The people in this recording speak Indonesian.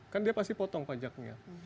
kan dia pasti potong pajaknya